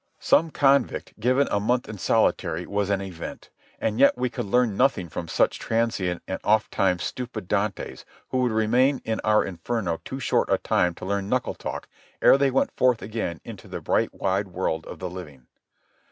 Some convict given a month in solitary was an event. And yet we could learn nothing from such transient and ofttimes stupid Dantes who would remain in our inferno too short a time to learn knuckle talk ere they went forth again into the bright wide world of the living.